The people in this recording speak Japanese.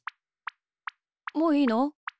もういいの？